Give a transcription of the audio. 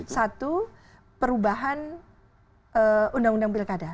satu perubahan undang undang pilkada